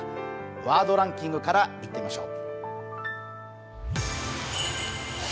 ワードランキングからいってみましょう。